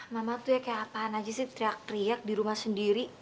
mama tuh ya kayak apaan aja sih teriak teriak di rumah sendiri